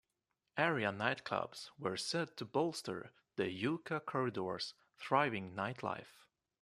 Area nightclubs were said to bolster the Yucca Corridor's thriving night life.